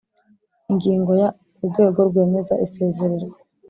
Ingingo ya Urwego rwemeza isezererwa